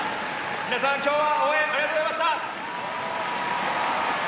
皆さん、今日は応援ありがとうございました！